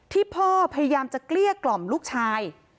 พ่อพยายามจะเกลี้ยกล่อมลูกชาย